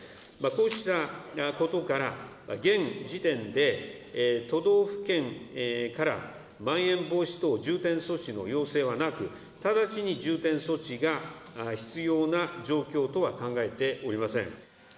こうしたことから、現時点で都道府県から、まん延防止等重点措置の要請はなく、直ちに重点措置が必要な状況とは考えておりません。